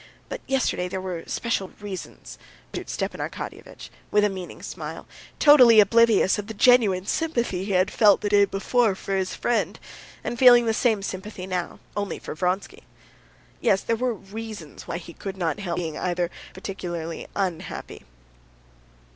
But yesterday there were special reasons," pursued Stepan Arkadyevitch, with a meaning smile, totally oblivious of the genuine sympathy he had felt the day before for his friend, and feeling the same sympathy now, only for Vronsky. "Yes, there were reasons why he could not help being either particularly happy or particularly unhappy."